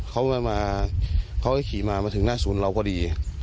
เขามาเขาก็ขี่มามาถึงหน้าศูนย์เราก็ดี